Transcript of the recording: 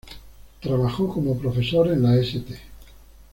Trabajó como profesor en la "St.